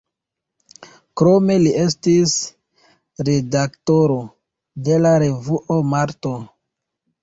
Krome li estis redaktoro de la revuo „Marto“.